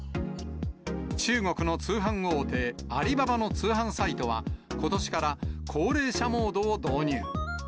中国の通販大手、アリババの通販サイトは、ことしから、高齢者モードを導入。